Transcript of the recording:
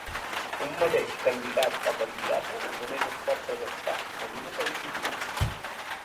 Un mateix candidat o candidata només es pot presentar en una sol·licitud.